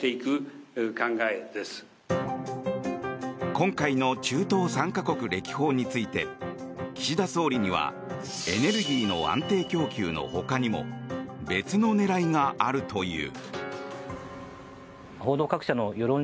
今回の中東３か国歴訪について岸田総理にはエネルギーの安定供給のほかにも別の狙いがあるという。